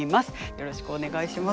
よろしくお願いします。